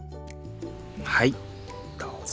はいどうぞ。